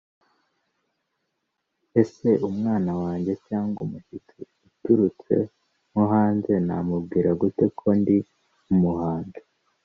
ese umwana wanjye cyangwa umushyitsi uturutse nko hanze namubwira gute ko ndi umuhanzi